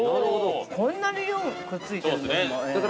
こんなに量くっついてるんですもん。